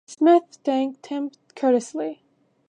Smith thanked him courteously.